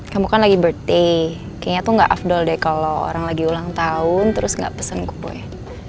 kamu kan lagi birthday kayaknya tuh gak afdol deh kalo orang lagi ulang tahun terus gak pesen kupu ya